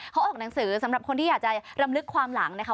เขาออกหนังสือสำหรับคนที่อยากจะรำลึกความหลังนะคะ